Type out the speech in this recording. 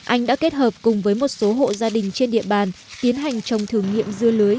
anh đã kết hợp cùng với một số hộ gia đình trên địa bàn tiến hành trồng thử nghiệm dưa lưới